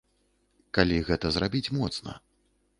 Калі гэта зрабіць моцна.